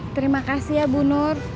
terima kasih ya bu nur